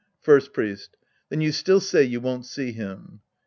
First Priest. Then you still say you won't see him.